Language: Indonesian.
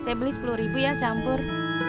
saya beli sepuluh ya campur